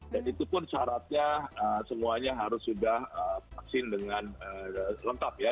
dan itu pun syaratnya semuanya harus sudah vaksin dengan lengkap ya